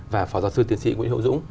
và phó giáo sư tiến sĩ nguyễn hữu dũng